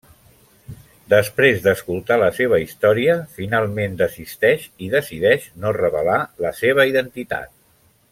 Després d'escoltar la seva història, finalment desisteix i decideix no revelar la seva identitat.